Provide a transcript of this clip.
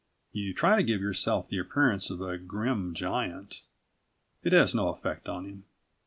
You try to give yourself the appearance of a grim giant: it has no effect on him.